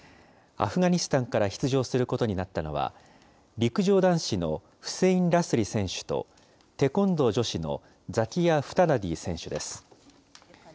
アフガニスタンから出場することになったのは、陸上男子のフセイン・ラスリ選手と、テコンドー女子のザキア・フダダディ選手です。